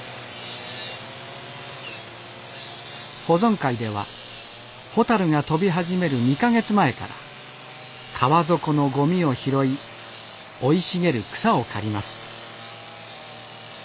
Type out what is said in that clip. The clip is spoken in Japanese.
保存会ではホタルが飛び始める２か月前から川底のゴミを拾い生い茂る草を刈ります。